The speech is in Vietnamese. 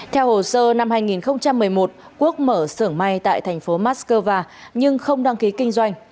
theo hồ sơ năm hai nghìn một mươi một quốc mở sưởng may tại thành phố moscow nhưng không đăng ký kinh doanh